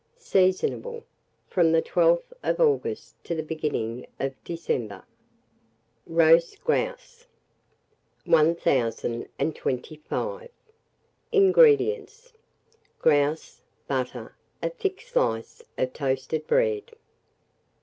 Seasonable from the 12th of August to the beginning of December. ROAST GROUSE. [Illustration: ROAST GROUSE.] 1025. INGREDIENTS. Grouse, butter, a thick slice of toasted bread.